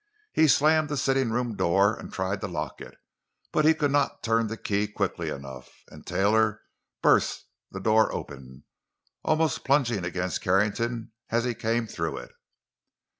He slammed the sitting room door and tried to lock it, but he could not turn the key quickly enough, and Taylor burst the door open, almost plunging against Carrington as he came through it.